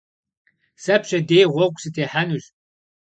Сэ пщэдей гъуэгу сытехьэнущ.